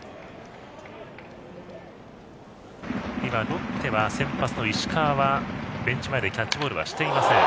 ロッテ先発の石川は今、ベンチ前でキャッチボールはしていません。